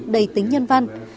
đầy tính nhân văn